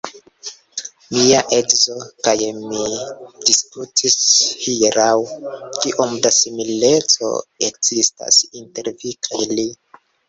Mia edzo kaj mi diskutis hieraŭ, kiom da simileco ekzistas inter vi kaj li.